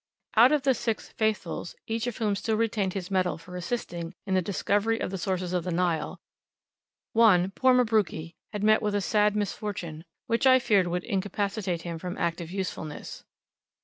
Out of the six "Faithfuls," each of whom still retained his medal for assisting in the "Discovery of the Sources of the Nile," one, poor Mabruki, had met with a sad misfortune, which I feared would incapacitate him from active usefulness.